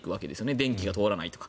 電気が通らないとか。